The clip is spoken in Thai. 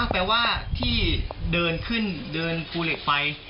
แปลว่าที่เดินขึ้นเดินภูเหล็กไฟ